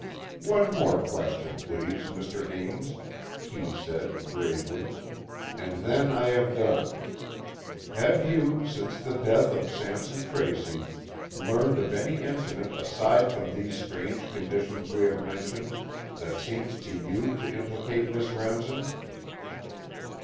"One more question, please, Mr. Ames," Kee said, gravely, "and then I have done. Have you, since the death of Sampson Tracy, learned of any incident aside from these strange conditions we have mentioned, that seems to you to implicate Miss Remsen?"